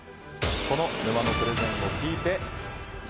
この沼のプレゼンを聞いて。